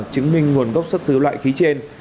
chứng minh nguồn gốc xuất xứ loại khí trên